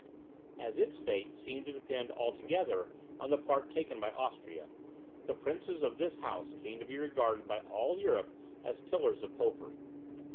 As its fate seemed to depend altogether on the part taken by Austria, the princes of this house came to be regarded by all Europe as the pillars of popery.